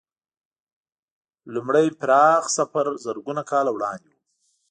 لومړی پراخ سفر زرګونه کاله وړاندې و.